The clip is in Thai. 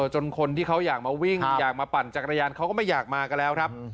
จนคนที่เขาอยากมาวิ่งอยากมาปั่นจักรยานเขาก็ไม่อยากมากันแล้วครับ